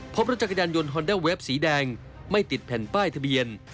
พบรถจักรยานยนต์ฮอนด้าเวฟสีแดงไม่ติดแผ่นป้ายทะเบียน